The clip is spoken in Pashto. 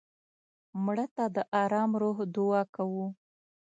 مړه ته د ارام روح دعا کوو